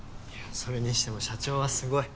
それにしても社長はすごい！